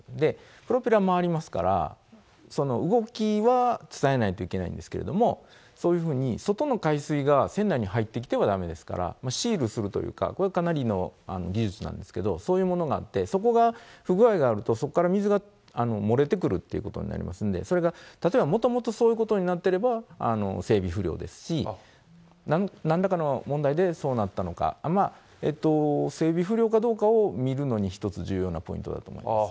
で、プロペラ回りますから、その動きは伝えないといけないんですけれども、そういうふうに外の海水が船内に入ってきてはだめですから、シールするというか、これ、かなりの技術なんですけど、そういうものがあって、そこが不具合があると、そこから水が漏れてくるっていうことになりますんで、それが例えばもともとそういうことになってれば、整備不良ですし、なんらかの問題でそうなったのか、整備不良かどうかを見るのに一つ重要なポイントだと思います。